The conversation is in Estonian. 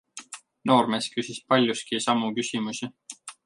Noormees küsis paljuski samu küsimusi.